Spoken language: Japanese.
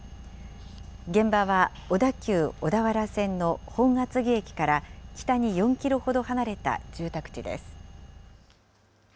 現場は小田急小田原線の本厚木駅から北に４キロほど離れた住宅地です。